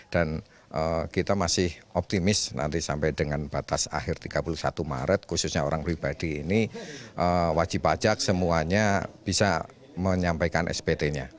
dan kita masih optimis nanti sampai dengan batas akhir tiga puluh satu maret khususnya orang pribadi ini wajib pajak semuanya bisa menyampaikan spt nya